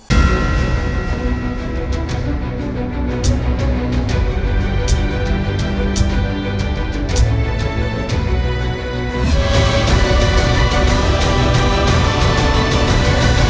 เสียงที่กรรมการทุกคนคอมเมนต์